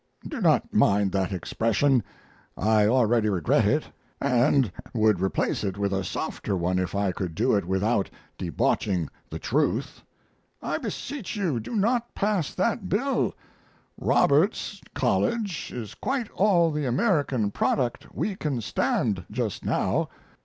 Do not mind that expression; I already regret it, and would replace it with a softer one if I could do it without debauching the truth. I beseech you, do not pass that bill. Roberts College is quite all the American product we can stand just now.